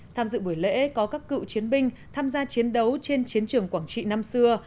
tham dự buổi lễ có các cựu chiến binh tham gia chiến đấu trên chiến trường quảng trị năm xưa